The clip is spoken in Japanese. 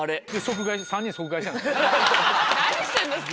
何してんですか。